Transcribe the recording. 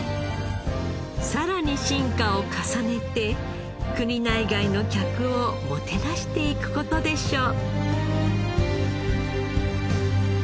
さらに進化を重ねて国内外の客をもてなしていく事でしょう。